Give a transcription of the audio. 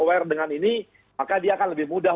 aware dengan ini maka dia akan lebih mudah